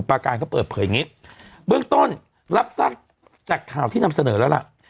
ประการเขาเปิดเผยอย่างนี้เบื้องต้นรับทราบจากข่าวที่นำเสนอแล้วล่ะ